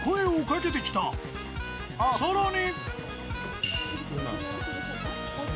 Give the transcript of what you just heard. ［さらに］